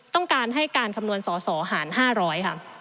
ต้องการให้การคำนวณสอสอหาร๕๐๐ค่ะ